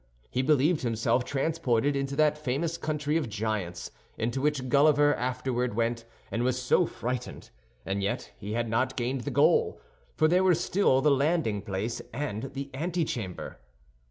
He believed himself transported into that famous country of giants into which Gulliver afterward went and was so frightened; and yet he had not gained the goal, for there were still the landing place and the antechamber.